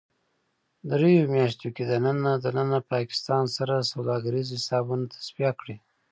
دریو میاشتو کې دننه ـ دننه پاکستان سره سوداګریز حسابونه تصفیه کړئ